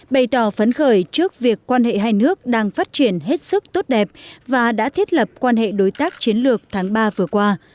bày tỏ phấn khởi trước việc quan hệ hai nước đang phát triển hết sức tốt đẹp và đã thiết lập quan hệ đối tác chiến lược tháng ba vừa qua